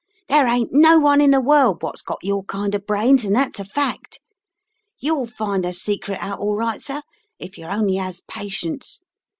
"There ain't no one in the world wot's got your kind o' brains, and that's a fact. You'll find the secret out all right, sir, if yer only has pa tience.